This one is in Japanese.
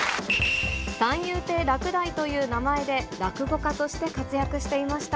三遊亭楽大という名前で落語家として活躍していました。